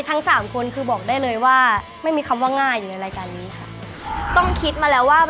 เอาเป็นว่าวันนี้สนุกแน่นอนนะครับ